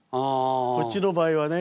こっちの場合はね